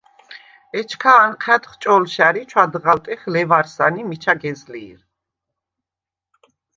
ეჩქა ანჴა̈დხ ჭო̄ლშა̈რ ი ჩვადღალტეხ ლევარსან ი მიჩა გეზლი̄რ.